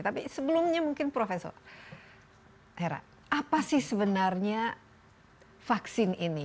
tapi sebelumnya mungkin profesor hera apa sih sebenarnya vaksin ini